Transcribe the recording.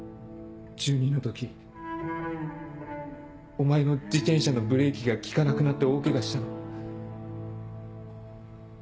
１２の時お前の自転車のブレーキが利かなくなって大ケガしたの。